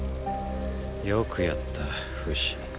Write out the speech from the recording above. よくやったフシ。